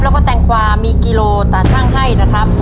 แล้วก็แตงกวามีกิโลตาชั่งให้นะครับ